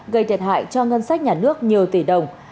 gây thiệt hại cho ngân sách nhà nước nhiều tỷ đồng